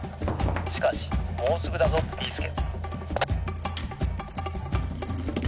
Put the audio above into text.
しかしもうすぐだぞビーすけ！」。